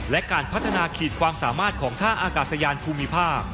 และการพัฒนาขีดความสามารถของท่าอากาศยานภูมิภาค